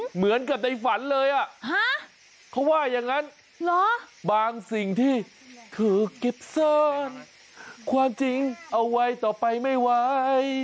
เหมือนกับในฝันเลยเขาว่าอย่างนั้นบางสิ่งที่ถือกิฟเซินความจริงเอาไว้ต่อไปไม่ไหว